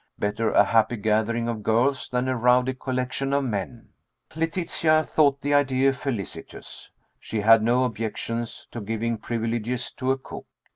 Better a happy gathering of girls than a rowdy collection of men. Letitia thought the idea felicitous. She had no objections to giving privileges to a cook.